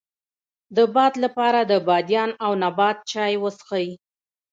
د باد لپاره د بادیان او نبات چای وڅښئ